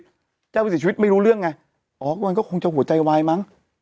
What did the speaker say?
เจ้าผู้เสียชีวิตไม่รู้เรื่องไงอ๋อมันก็คงจะหัวใจวายมั้ง